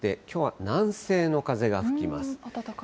きょうは南西の風が吹きます。